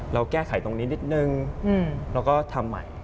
เราแก้ไขตรงนี้นิดนึงเราก็ทำใหม่